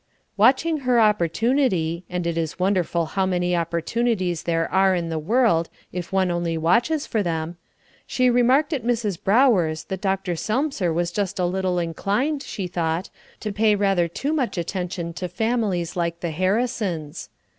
Watching her opportunity and it is wonderful how many opportunities there are in the world, if one only watches for them she remarked at Mrs. Brower's that Dr. Selmser was just a little inclined, she thought, to pay rather too much attention to families like the Harrisons.